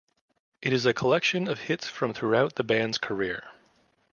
It is a collection of hits from throughout the band's career.